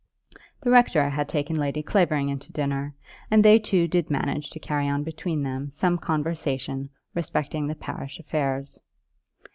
The rector had taken Lady Clavering in to dinner, and they two did manage to carry on between them some conversation respecting the parish affairs.